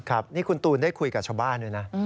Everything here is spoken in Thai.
ครับนี่คุณตูนได้คุยกับชาวบ้านด้วยนะ